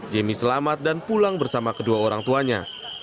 jemi selamat dan pulang bersama kedua orang tuanya